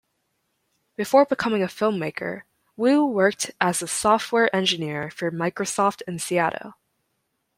Before becoming a filmmaker, Wu worked as a software engineer for Microsoft in Seattle.